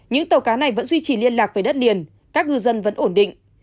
những tàu cá này vẫn duy trì liên lạc với đất liền các ngư dân vẫn ổn định